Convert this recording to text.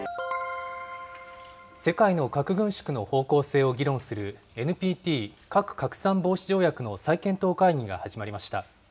世界の核軍縮の方向性を議論する、ＮＰＴ・核拡散防止条約の再検討会議が始まりました。